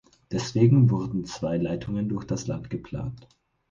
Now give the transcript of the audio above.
Deswegen wurden zwei Leitungen durch das Land geplant.